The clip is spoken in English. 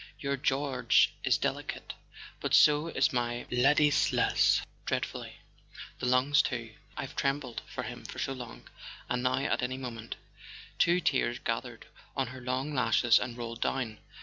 Your George is delicate. But so is my Ladislas—dreadfully. The lungs too. I've trem¬ bled for him for so long; and now, at any moment ..." Two tears gathered on her long lashes and rolled down